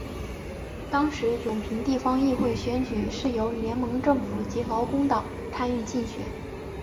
当时永平地方议会选举是由联盟政府及劳工党参与竞选。